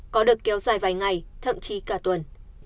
có được kéo dài vài ngày thậm chí cả tuần